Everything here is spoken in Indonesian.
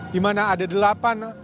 di mana ada delapan